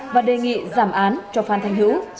và đề nghị giảm án cho phan thanh hữu